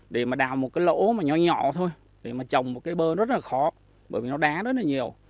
để mà đào một cái lỗ mà nhỏ nhỏ thôi để mà trồng một cái bơ rất là khó bởi vì nó đá rất là nhiều